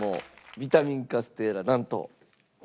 ビタミンカステーラなんと。